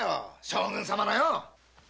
将軍様のよ！